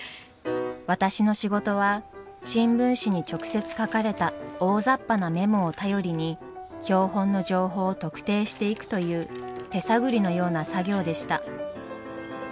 私の仕事は新聞紙に直接書かれた大ざっぱなメモを頼りに標本の情報を特定していくという手探りのような作業でした。